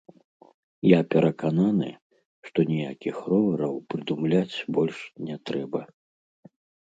Я перакананы, што ніякіх ровараў прыдумляць больш не трэба.